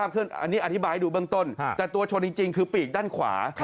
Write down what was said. อันนี้อธิบายให้ดูเบื้องต้นแต่ตัวชนจริงคือปีกด้านขวา